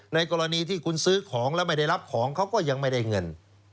ในกรณีที่คุณซื้อของแล้วไม่ได้รับของเขาก็ยังไม่ได้เงิน